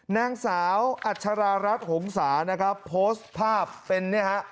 นางสาวอัชรารัชหงษาโพสต์ภาพเป็น